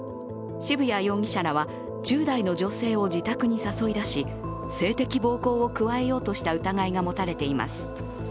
渋谷容疑者らは１０代の女性を自宅に誘い出し、性的暴行を加えようとした疑いが持たれています。